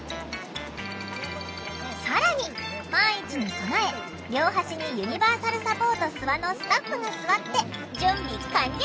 更に万一に備え両端に「ユニバーサルサポートすわ」のスタッフが座って準備完了！